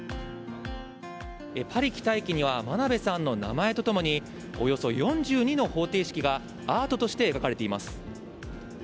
パリ北駅には真鍋さんの名前と共におよそ４２の方程式がアートとして描かれています。